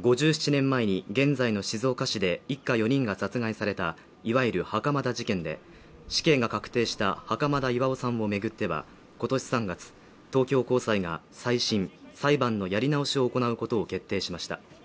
５７年前に現在の静岡市で一家４人が殺害されたいわゆる袴田事件で死刑が確定した袴田巌さんを巡っては、今年３月、東京高裁が再審裁判のやり直しを行うことを決定しました。